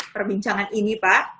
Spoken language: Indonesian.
perbincangan ini pak